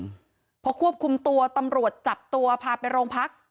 อืมพอควบคุมตัวตำรวจจับตัวพาไปโรงพัก